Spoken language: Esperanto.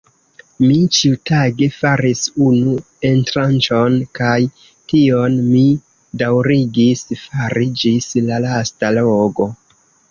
Mi ĉiutage faris unu entranĉon, kaj tion mi daŭrigis fari ĝis la lasta logo.